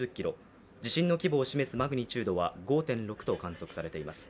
地震の規模を示すマグニチュードは５．６と観測されています。